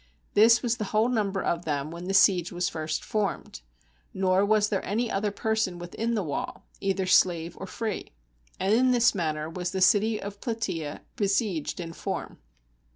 This was the whole number of them when the siege was first formed; nor was there any other person within the wall, either slave or free. And in this manner was the city of Plataea besieged in form.